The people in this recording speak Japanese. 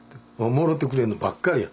もろうてくれんの？」ばっかりや。